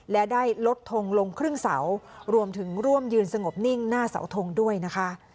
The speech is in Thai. และได้ลดทงลงครึ่งเสารวมถึงร่วมยืนสงบนิ่งหน้าเสาทงด้วยนะคะ